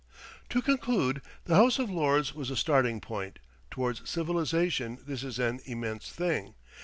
To conclude, the House of Lords was a starting point; towards civilization this is an immense thing.